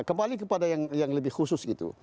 kembali kepada yang lebih khusus gitu